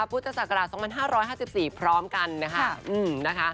พุทธศักราช๒๕๕๔พร้อมกันนะคะ